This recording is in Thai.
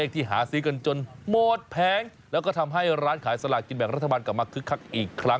ที่หาซื้อกันจนหมดแผงแล้วก็ทำให้ร้านขายสลากกินแบ่งรัฐบาลกลับมาคึกคักอีกครั้ง